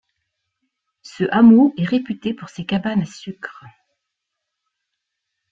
Ce hameau est réputé pour ses cabanes à sucre.